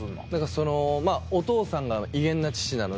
そのお父さんが威厳な父なので。